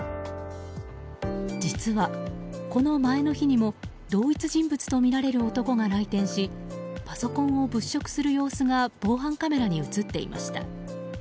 実は、この前の日にも同一人物とみられる男が来店しパソコンを物色する様子が防犯カメラに映っていました。